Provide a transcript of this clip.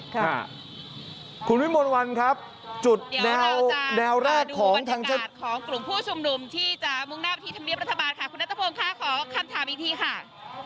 ค่ะคุณวิมวลวันครับจุดแนวแรกของทางจุดของกลุ่มผู้ชุมนุมที่จะมุ่งหน้าไปที่ธรรมเนียบรัฐบาลค่ะคุณนัทพงศ์ค่ะขอคำถามอีกทีค่ะ